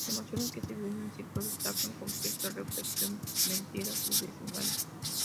Las emociones que se viven en el círculo destacan conflicto, reflexión, mentiras y desengaños.